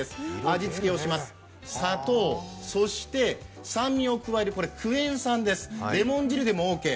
味付けをします、砂糖、そして酸味を加える、クエン酸です、レモン汁でもオーケー。